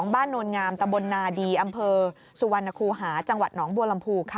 โนลงามตะบลนาดีอำเภอสุวรรณคูหาจังหวัดหนองบัวลำพูค่ะ